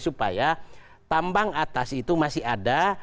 supaya tambang atas itu masih ada